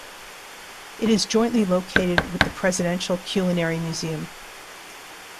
It is jointly located with the Presidential Culinary Museum.